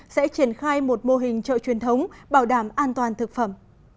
sẽ triển khai một mô hình chợ truyền thống bảo đảm an toàn thực phẩm